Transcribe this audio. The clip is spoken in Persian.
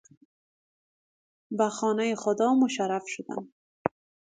به خانهُ خدا مشرف شدن